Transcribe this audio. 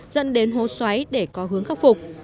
dẫn đến hố xoáy để có hướng khắc phục